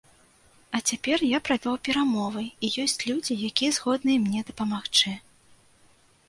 А цяпер я правёў перамовы і ёсць людзі, якія згодныя мне дапамагчы.